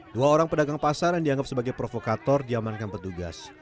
dua orang pedagang pasar yang dianggap sebagai provokator diamankan petugas